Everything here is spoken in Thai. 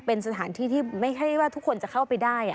เป็นสถานที่ที่ไม่ใช่ว่าทุกคนจะเข้าไปได้